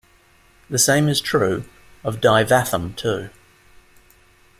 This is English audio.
The same is true of Daivatham too.